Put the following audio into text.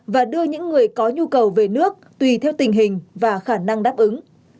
và đưa những người có nhu cầu về nước tùy theo tình hình và khả năng đáp ứng